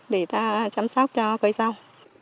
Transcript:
để ta chăm sóc cho cây rau